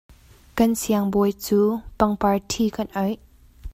Kan siangbawi cu pangpar ṭhi kan oih.